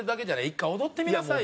１回踊ってみなさいよ！